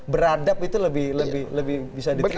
beradab itu lebih bisa diterima